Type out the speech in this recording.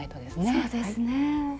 そうですね。